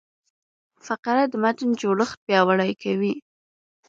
فقره د متن جوړښت پیاوړی کوي.